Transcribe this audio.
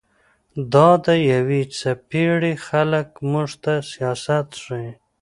دا د يوې څپېړي خلق موږ ته سياست ښيي